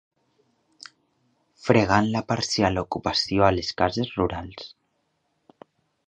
Fregant la parcial ocupació a les cases rurals.